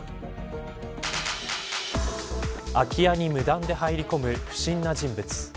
空き家に無断で入り込む不審な人物。